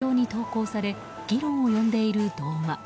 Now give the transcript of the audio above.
ＳＮＳ上に投稿され議論を呼んでいる動画。